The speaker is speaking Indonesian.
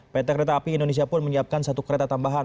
pt kereta api indonesia pun menyiapkan satu kereta tambahan